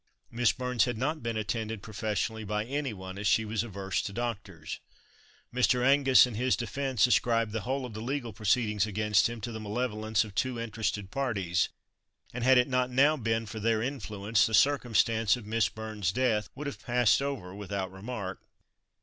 Miss Burns had not been attended professionally by any one as she was averse to doctors. Mr. Angus in his defence ascribed the whole of the legal proceedings against him to the malevolence of two interested parties, and had it not now been for their influence, the circumstance of Miss Burns' death would have passed over without remark.